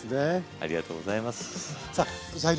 ありがとうございます。